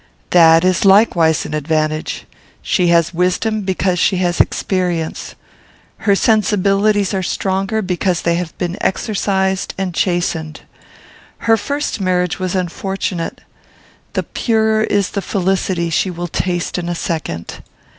"That is likewise an advantage. She has wisdom, because she has experience. Her sensibilities are stronger, because they have been exercised and chastened. Her first marriage was unfortunate. The purer is the felicity she will taste in a second!